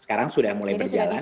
sekarang sudah mulai berjalan